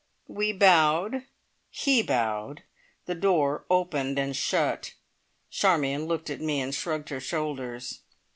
We bowed. He bowed. The door opened and shut. Charmion looked at me and shrugged her shoulders.